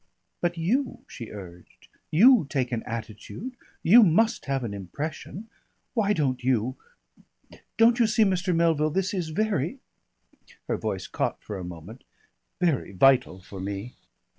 "But you," she urged, "you take an attitude, you must have an impression. Why don't you Don't you see, Mr. Melville, this is very" her voice caught for a moment "very vital for me.